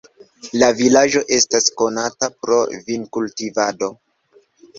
La vilaĝo estas konata pro vinkultivado.